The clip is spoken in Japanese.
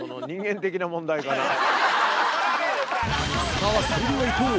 さぁそれではいこう！